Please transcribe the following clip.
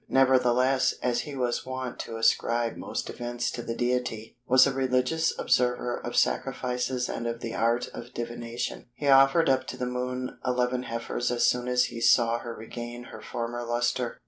Nevertheless, as he was wont to ascribe most events to the Deity, was a religious observer of sacrifices and of the art of divination, he offered up to the Moon 11 heifers as soon as he saw her regain her former lustre.